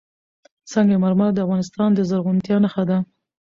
سنگ مرمر د افغانستان د زرغونتیا نښه ده.